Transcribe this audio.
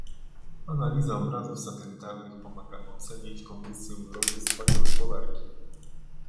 Analiza obrazów satelitarnych pomaga ocenić kondycję rolnictwa i gospodarki.